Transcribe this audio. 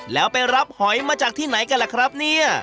แล้วไปรับหอยมาจากที่ไหนกันล่ะครับเนี่ย